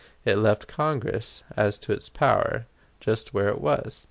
It left Congress, as to its power, just where it was.